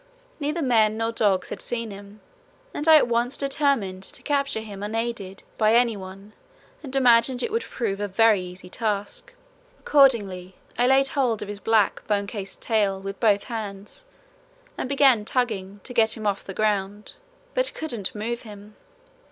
Neither men nor dogs had seen him, and I at once determined to capture him unaided by any one and imagined it would prove a very easy task. Accordingly I laid hold of his black bone cased tail with both hands and began tugging to get him off the ground, bait couldn't move him.